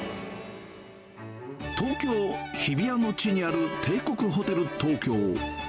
東京・日比谷の地にある帝国ホテル東京。